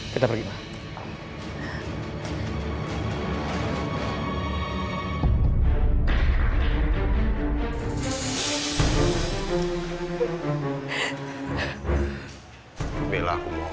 kita pergi mah